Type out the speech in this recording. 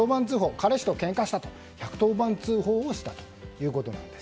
彼氏とけんかしたと１１０番通報したということです。